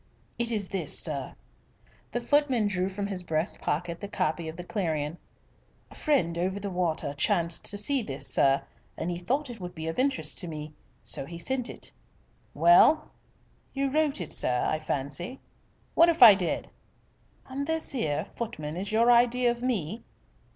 "It's this, sir." The footman drew from his breast pocket the copy of the Clarion. "A friend over the water chanced to see this, sir, and he thought it would be of interest to me. So he sent it." "Well?" "You wrote it, sir, I fancy." "What if I did." "And this 'ere footman is your idea of me."